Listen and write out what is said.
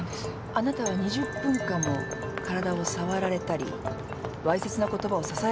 あなたは２０分間も体を触られたりわいせつな言葉をささやかれたりしたのよね？